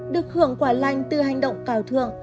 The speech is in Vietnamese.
được hưởng quả lành từ hành động cào thượng